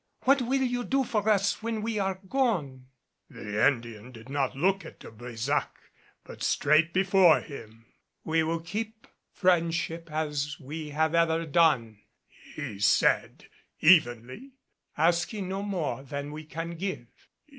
What will you do for us when we are gone?" The Indian did not look at De Brésac, but straight before him. "We will keep friendship as we have ever done," he said evenly, "asking no more than we can give."